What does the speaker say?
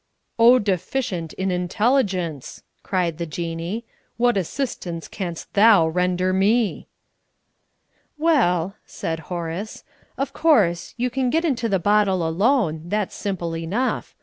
"O deficient in intelligence!" cried the Jinnee. "What assistance canst thou render me?" "Well," said Horace, "of course, you can get into the bottle alone that's simple enough.